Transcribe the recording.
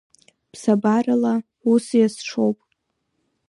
Ԥсабарала ус иазшоуп…